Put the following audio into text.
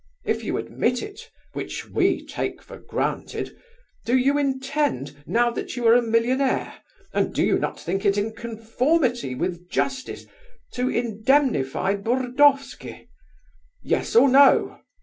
If you admit it (which we take for granted), do you intend, now that you are a millionaire, and do you not think it in conformity with justice, to indemnify Burdovsky? Yes or no?